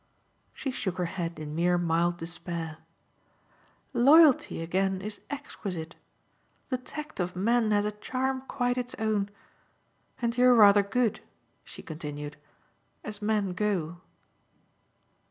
She shook her head in mere mild despair. "'Loyalty' again is exquisite. The tact of men has a charm quite its own. And you're rather good," she continued, "as men go."